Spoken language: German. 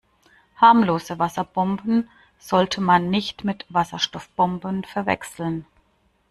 Harmlose Wasserbomben sollte man nicht mit Wasserstoffbomben verwechseln.